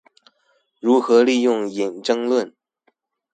如何利用引爭論